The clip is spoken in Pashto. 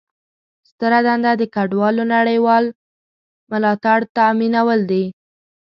ستره دنده د کډوالو نړیوال ملاتړ تامینول دي.